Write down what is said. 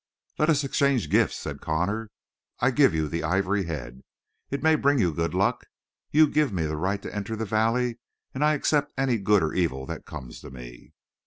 "Let us exchange gifts," said Connor; "I give you the ivory head. It may bring you good luck. You give me the right to enter the valley and I accept any good or evil that comes to me."